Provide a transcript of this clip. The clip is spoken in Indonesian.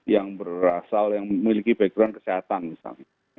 yang berasal yang memiliki background kesehatan misalnya